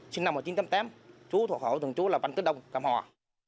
trước năm một nghìn chín trăm tám mươi tám chú thủ khẩu thường chú là văn tức đông cam hòa